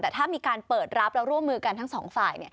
แต่ถ้ามีการเปิดรับแล้วร่วมมือกันทั้งสองฝ่าย